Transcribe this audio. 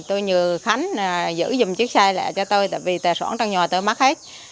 tôi nhờ khánh giữ giùm chiếc xe lại cho tôi vì tài sản trong nhà tôi mắc hết